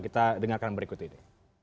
kita dengarkan berikut ini